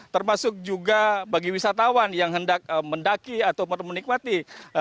termasuk juga bagi wisatawan yang hendak mendaki atau menikmati